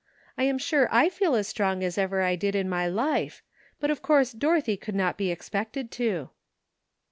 I am sure I feel as strong as I ever did in my life, but of course Dorothy could not be expected to."